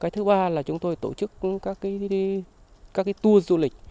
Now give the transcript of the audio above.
thứ ba là chúng tôi tổ chức các tour du lịch